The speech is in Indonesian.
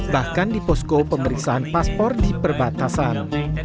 bahkan di posko pemeriksaan paspor di perbatasan